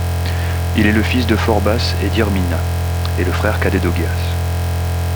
Il est le fils de Phorbas et d’Hyrmina, et le frère cadet d’Augias.